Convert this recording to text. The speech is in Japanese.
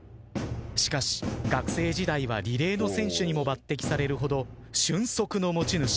しかし学生時代はリレーの選手にも抜てきされるほど俊足の持ち主